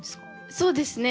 そうですね。